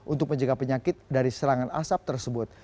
untuk menjaga penyakit dari serangan asap tersebut